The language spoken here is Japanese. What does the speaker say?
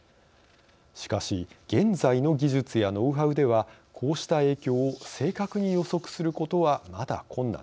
しかし現在の技術やノウハウではこうした影響を正確に予測することはまだ困難です。